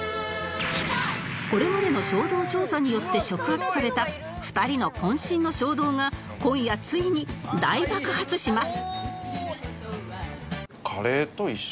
これまでの衝動調査によって触発された２人の渾身の衝動が今夜ついに大爆発します